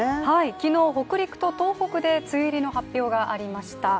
昨日、北陸と東北で梅雨入りの発表がありました。